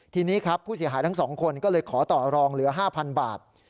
ทีนี้ครับผู้เสียหายทั้ง๒คนก็เลยขอต่อรองเหลือ๕๐๐๐บาท